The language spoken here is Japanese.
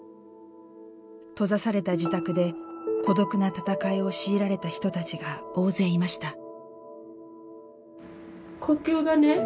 閉ざされた自宅で孤独な闘いを強いられた人たちが大勢いました。